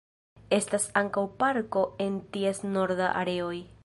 Estas ankaŭ parko en ties norda areoj.